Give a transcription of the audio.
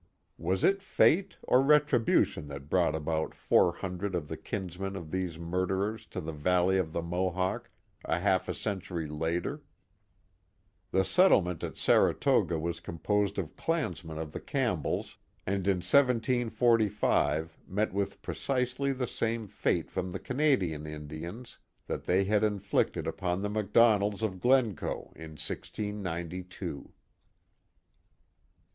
Was it fate or retribution that brought about four hundred of the kinsmen of these murderers to the valley of the Mo hawk a half a century later ? The settlement at Saratoga was composed of clansmen of the Campbells, and in 1745 met with precisely the same fate from the Canadian Indians that they had inflicted upon the MacDonalds of Glencoe in 1692.